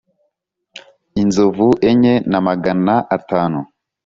Inzovu Enye Na Magana Atanu